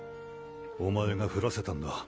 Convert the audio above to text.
お前がふらせたんだ